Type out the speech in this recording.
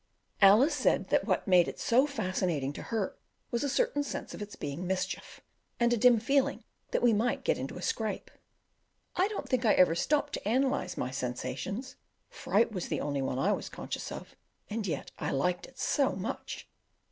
Alice said that what made it so fascinating to her was a certain sense of its being mischief, and a dim feeling that we might get into a scrape. I don't think I ever stopped to analyse my sensations; fright was the only one I was conscious of, and yet I liked it so much.